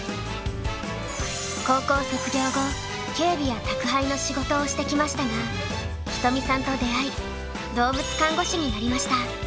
高校卒業後警備や宅配の仕事をしてきましたがひとみさんと出会い動物看護師になりました。